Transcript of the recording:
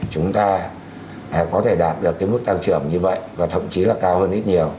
chúng ta có thể đạt được cái mức tăng trưởng như vậy và thậm chí là cao hơn ít nhiều